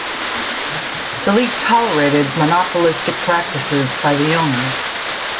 The league tolerated monopolistic practices by the owners.